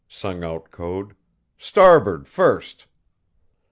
sung out Code. "Starboard first."